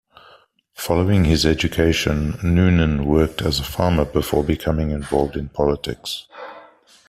Following his education Noonan worked as a farmer before becoming involved in politics.